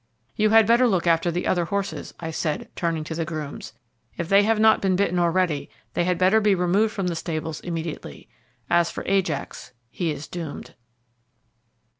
"You had better look after the other horses," I said, turning to the grooms. "If they have not been bitten already they had better be removed from the stables immediately. As for Ajax, he is doomed."